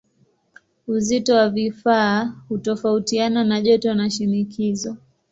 Uzito wa vifaa hutofautiana na joto na shinikizo.